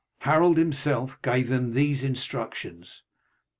Harold himself gave them these instructions.